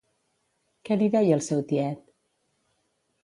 Què li deia el seu tiet?